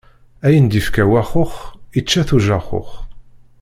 Ayen d-ifka waxux, ičča-t ujaxux.